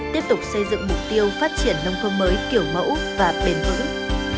tiếp tục xây dựng mục tiêu phát triển nông thôn mới kiểu mẫu và bền vững